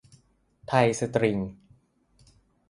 ไทยสตริง